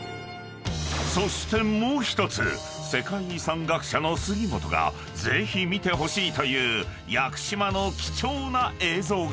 ［そしてもう１つ世界遺産学者の杉本がぜひ見てほしいという屋久島の貴重な映像が］